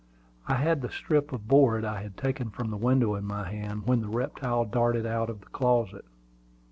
I had the strip of board I had taken from the window in my hand when the reptile darted out of the closet.